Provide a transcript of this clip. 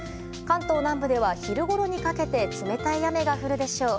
関東南部では昼ごろにかけて冷たい雨が降るでしょう。